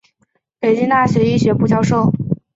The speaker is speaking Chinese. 北京大学医学部教授。